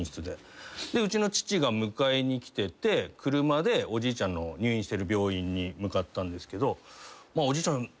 でうちの父が迎えに来てて車でおじいちゃんの入院してる病院に向かったんですけどおじいちゃん